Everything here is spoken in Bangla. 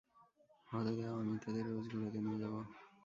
হতে দেও আমি তাদের রোজ ঘুরাতে নিয়ে যাবো।